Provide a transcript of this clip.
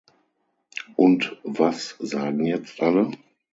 Und was sagen jetzt alle?